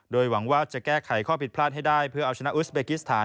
โดยหวังว่าจะแก้ไขข้อผิดพลาดให้ได้เพื่อเอาชนะอุสเบกิสถาน